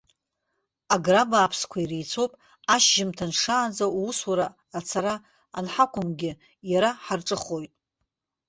Агра бааԥсқәа иреицәоуп, ашьжьымҭан шаанӡа, усура ацара анҳақәымгьы, иара ҳарҿыхоит.